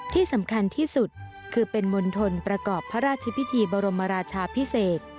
ที่สำคัญที่สุดคือเป็นมณฑลประกอบพระราชพิธีบรมราชาพิเศษ